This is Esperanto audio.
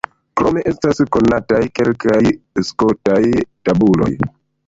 Krome estas konataj kelkaj skotaj tabuloj.